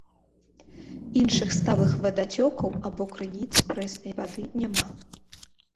Іншых сталых вадацёкаў або крыніц прэснай вады няма.